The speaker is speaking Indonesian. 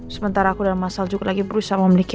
sementara aku dan mas saljuk lagi berusaha memiliki